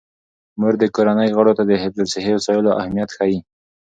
مور د کورنۍ غړو ته د حفظ الصحې وسایلو اهمیت ښيي.